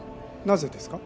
なぜですか？